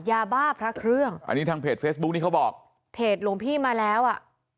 ยาบ้าพระเครื่องอันนี้ทางเพจเฟซบุ๊คนี้เขาบอกเพจหลวงพี่มาแล้วอ่ะ